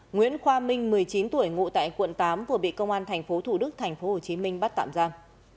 nguyễn khoa minh một mươi chín tuổi ngụ tại quận tám vừa bị công an tp thủ đức tp hcm bắt tạm giam